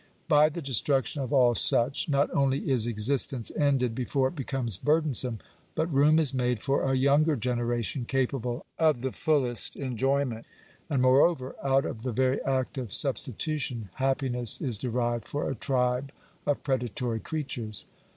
By the destruction of all such, not only is existence ended be fore it becomes burdensome, but room is made for a younger generation capable of the fullest enjoyment ; and, moreover, out of the very act of substitution happiness is derived for a tribe of predatory creatures.